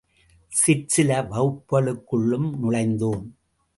சிற்சில வகுப்புகளுக்குள்ளும் நுழைந்தோம்.